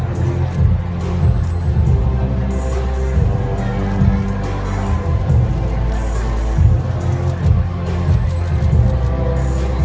สโลแมคริปราบาล